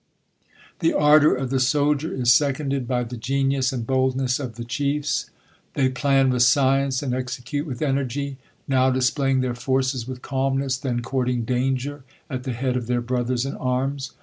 . The ardor of the soldier is seconded by the geinus| and boldness of the chiefs. They phin with science,^ and execute with energy ; now displaying their forces with calmness ; then courting danger at the head of their brothers in arms.